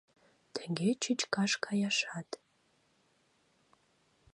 Тыге чӱчкаш каяшат.